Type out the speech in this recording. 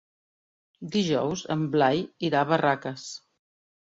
Dijous en Blai irà a Barraques.